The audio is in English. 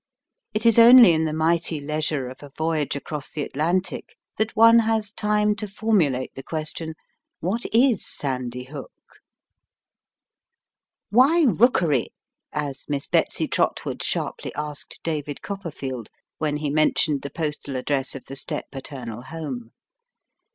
It is only in the mighty leisure of a voyage across the Atlantic that one has time to formulate the question, What is Sandy Hook ? "Why Eookery?" as Miss Betsy Trotwood sharply asked David Copperfield when he VOL. I. 1 Digitized by VjOOQi€ ii EAST BY WEST. mentioned the postal address of the step pater nal home.